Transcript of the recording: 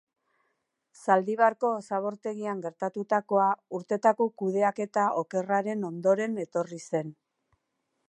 Zaldibarko zabortegian gertatutakoa urtetako kudeaketa okerraren ondoren etorri zen.